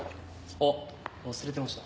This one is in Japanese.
あっ忘れてました。